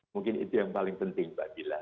mungkin itu yang paling penting mbak dila